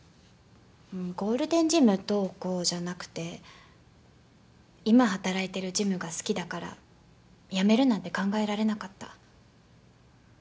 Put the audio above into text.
ゴールデンジムどうこうじゃなくて今働いてるジムが好きだから辞めるなんて考えられなかった。